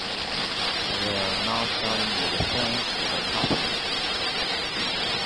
They are not telling you the things that are happening.